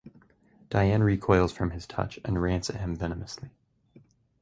Diane recoils from his touch, and rants at him venomously.